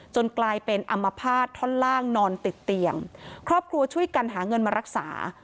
กลายเป็นอัมพาตท่อนล่างนอนติดเตียงครอบครัวช่วยกันหาเงินมารักษา